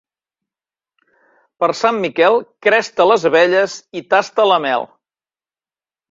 Per Sant Miquel cresta les abelles i tasta la mel.